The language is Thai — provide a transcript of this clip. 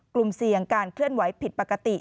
กลุ่มเสี่ยงการเคลื่อนไหวผิดปกติ